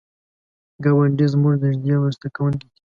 ګاونډی زموږ نږدې مرسته کوونکی وي